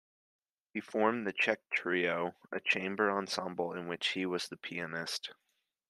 He formed the Czech Trio, a chamber ensemble in which he was the pianist.